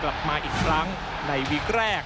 กลับมาอีกครั้งในวีกแรก